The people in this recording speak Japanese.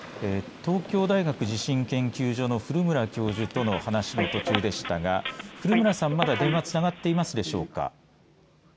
東京大学地震研究所の古村教授との話の途中でしたが古村さんまだ電話つながっていますでしょうか。